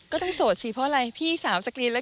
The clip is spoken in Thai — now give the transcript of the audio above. ก็ต้องสูตรสิเพราะอะไรพี่สามสกรีนละกัน